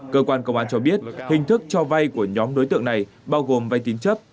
cơ quan công an cho biết hình thức cho vay của nhóm đối tượng này bao gồm vay tín chấp